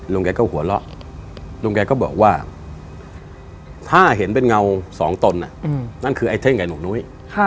แกก็หัวเราะลุงแกก็บอกว่าถ้าเห็นเป็นเงาสองตนนั่นคือไอ้เท่งกับหนุ่มนุ้ย